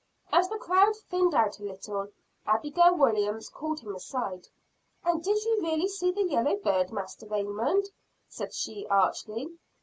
As the crowd thinned out a little, Abigail Williams called him aside; "and did you really see the yellow bird, Master Raymond?" said she archly.